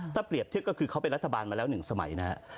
ถ้าเปรียบเทียบก็คือเขาเป็นรัฐบาลมาแล้ว๑สมัยนะฮะ